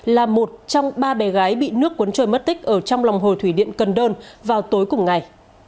là một trong ba bé gái bị nước cuốn trôi mất tích ở trong lòng hồ thủy điện cần đơn vào tối cùng ngày